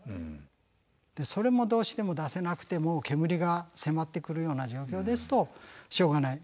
それもどうしても出せなくて煙が迫ってくるような状況ですとしょうがない。